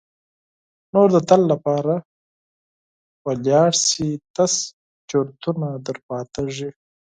نور د تل لپاره ولاړ سي تش چرتونه در پاتیږي.